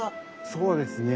そうですね。